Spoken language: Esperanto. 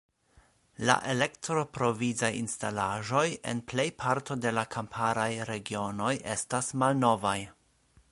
La elektroprovizaj instalaĵoj en plejparto de la kamparaj regionoj estas malnovaj.